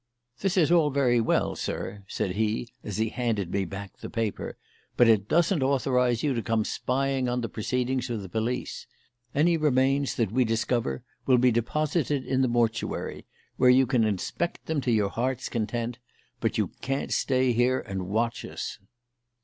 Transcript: "This is all very well, sir," said he as he handed me back the paper, "but it doesn't authorise you to come spying on the proceedings of the police. Any remains that we discover will be deposited in the mortuary, where you can inspect them to your heart's content; but you can't stay here and watch us."